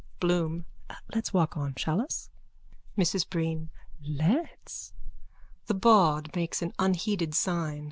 BLOOM: Let's walk on. Shall us? MRS BREEN: Let's. _(The bawd makes an unheeded sign.